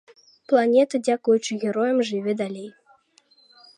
Планета дзякуючы героям жыве далей.